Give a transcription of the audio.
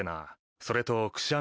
それとくしゃみも。